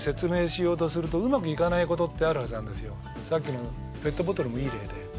つまりさっきのペットボトルもいい例で。